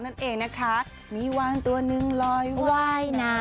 นั่นเองนะคะมีวานตัวนึงลอยว่ายน้ำ